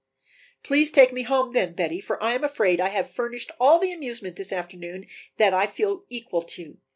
"Please take me home then, Betty, for I am afraid I have furnished all the amusement this afternoon that I feel equal to."